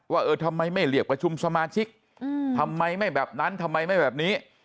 เออทำไมไม่เรียกประชุมสมาชิกทำไมไม่แบบนั้นทำไมไม่แบบนี้